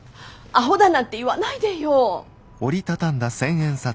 アホだなんて言わないでよ。